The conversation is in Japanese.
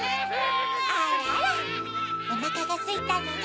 あらあらおなかがすいたのね。